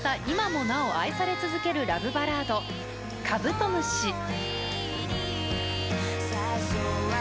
今もなお愛され続けるラブバラード『カブトムシ』。